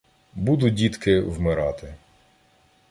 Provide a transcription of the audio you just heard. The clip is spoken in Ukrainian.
Буду, дітки, вмирати.